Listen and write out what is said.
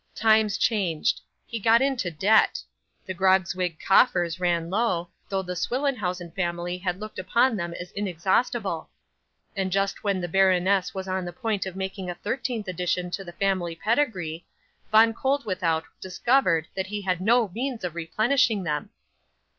Times changed. He got into debt. The Grogzwig coffers ran low, though the Swillenhausen family had looked upon them as inexhaustible; and just when the baroness was on the point of making a thirteenth addition to the family pedigree, Von Koeldwethout discovered that he had no means of replenishing them.